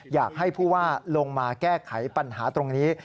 อยากให้ผู้ว่าลงมาแก้ไขปัญหาตรงนี้